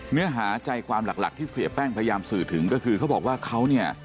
เนื้อหาใจความหลักที่เสียแป้งพยายามสื่อถึงก็คือเขาบอกว่าเขาเนี่ย